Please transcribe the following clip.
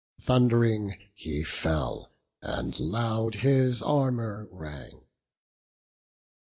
Thund'ring he fell, and loud his armour rang.